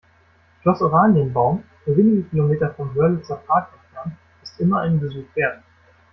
Schloss Oranienbaum, nur wenige Kilometer vom Wörlitzer Park entfernt, ist immer einen Besuch wert.